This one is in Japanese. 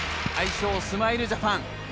愛称、スマイルジャパン。